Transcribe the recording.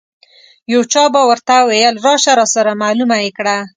یو چا به ورته ویل راشه راسره معلومه یې کړه.